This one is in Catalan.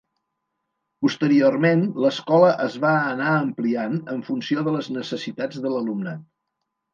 Posteriorment, l'escola es va anar ampliant en funció de les necessitats de l'alumnat.